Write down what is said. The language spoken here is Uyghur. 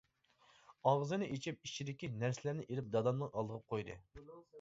ئاغزىنى ئېچىپ ئىچىدىكى نەرسىلەرنى ئېلىپ دادامنىڭ ئالدىغا قويدى.